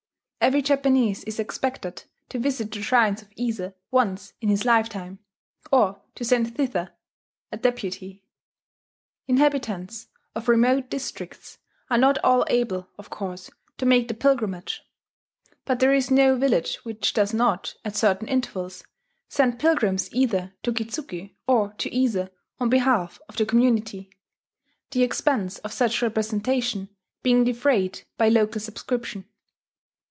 Every Japanese is expected to visit the shrines of Ise once in his lifetime, or to send thither a deputy. Inhabitants of remote districts are not all able, of course, to make the pilgrimage; but there is no village which does not, at certain intervals, send pilgrims either to Kitzuki or to Ise on behalf of the community, the expense of such representation being defrayed by local subscription.